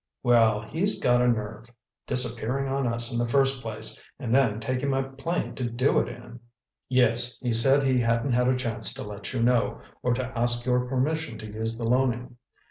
"Well, he's got a nerve! Disappearing on us in the first place, and then taking my plane to do it in!" "Yes, he said he hadn't had a chance to let you know, or to ask your permission to use the Loening.